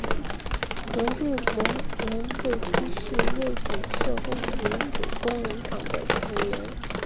格日姆伦最初是瑞典社会民主工人党的成员。